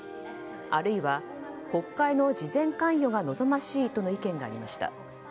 あるいは国会の事前関与が望ましいとの意見がありました。